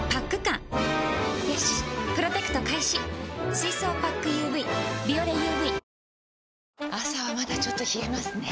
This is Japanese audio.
水層パックＵＶ「ビオレＵＶ」朝はまだちょっと冷えますねぇ。